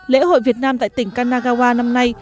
lễ hội việt nam tại tỉnh kanagawa năm nay